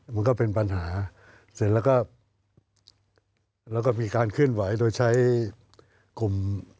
มันก็เป็นปัญหาเสร็จแล้วก็มีการเคลื่อนไหวโดยใช้กลุ่ม